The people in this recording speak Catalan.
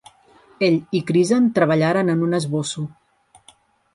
Ell i Krizan treballaren en un esbosso.